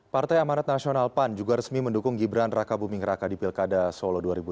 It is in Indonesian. partai amanat nasional pan juga resmi mendukung gibran raka buming raka di pilkada solo dua ribu delapan belas